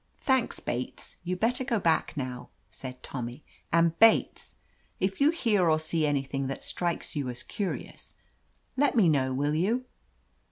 "Thanks^ Bates. You'd better go back now," said Tommy, "and Bates, if you hear or see anything that strikes you as curious, let me know, will you?"